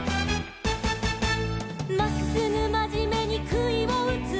「まっすぐまじめにくいをうつ」